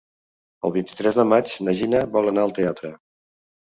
El vint-i-tres de maig na Gina vol anar al teatre.